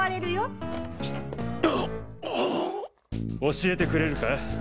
教えてくれるか？